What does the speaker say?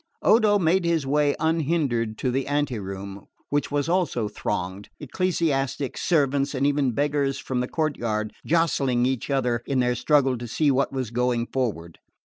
Odo made his way unhindered to the ante room, which was also thronged, ecclesiastics, servants and even beggars from the courtyard jostling each other in their struggle to see what was going forward.